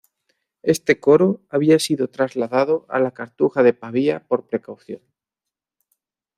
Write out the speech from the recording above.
Este coro había sido trasladado a la Cartuja de Pavía por precaución.